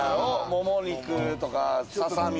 もも肉とかささみ。